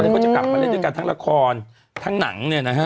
ก็จะกลับมาเล่นด้วยกันทั้งละครทั้งหนัง